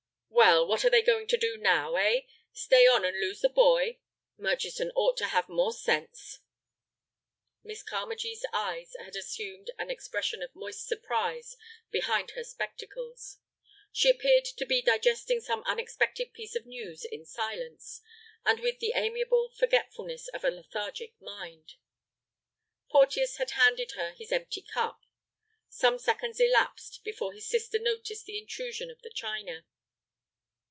"Well, what are they going to do now, eh? Stay on and lose the boy? Murchison ought to have more sense." Miss Carmagee's eyes had assumed an expression of moist surprise behind her spectacles. She appeared to be digesting some unexpected piece of news in silence, and with the amiable forgetfulness of a lethargic mind. Porteus had handed her his empty cup. Some seconds elapsed before his sister noticed the intrusion of the china.